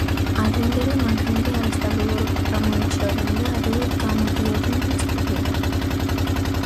ადრინდელი მანქანები არასტაბილურობით გამოირჩეოდნენ და ადვილად გამოდიოდნენ მწყობრიდან.